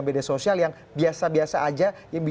bd sosial yang biasa biasa saja